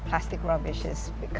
rumah terutama rumah plastik